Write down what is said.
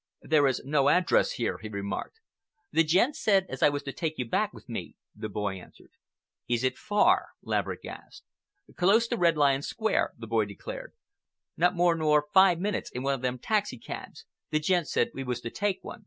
"There is no address here," he remarked. "The gent said as I was to take you back with me," the boy answered. "Is it far?" Laverick asked. "Close to Red Lion Square," the boy declared. "Not more nor five minutes in one of them taxicabs. The gent said we was to take one.